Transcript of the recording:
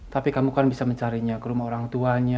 tapi kamu kan bisa mencarinya ke rumah orang tuanya